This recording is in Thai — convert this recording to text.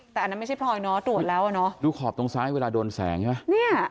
แต่อันนั้นไม่ใช่พลอยเนอดูดแล้วเนอะลูกขอบตรงซ้ายเวลาโดนแสงเนี่ย